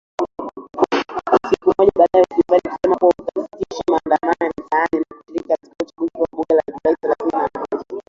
Siku moja baada ya upinzani, kusema kuwa utasitisha maandamano ya mitaani na kushiriki katika uchaguzi wa bunge wa Julai thelathini na moja.